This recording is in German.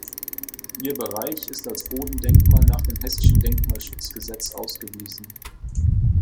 Ihr Bereich ist als Bodendenkmal nach dem Hessischen Denkmalschutzgesetz ausgewiesen.